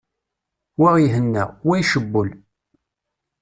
Wa ihenna, wa icewwel.